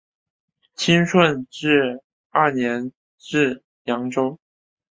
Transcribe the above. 清顺治二年至扬州。